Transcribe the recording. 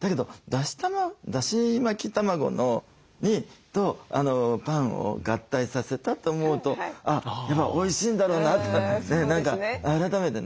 だけどだし巻き卵とパンを合体させたと思うとあやっぱりおいしいんだろうなって何か改めてね。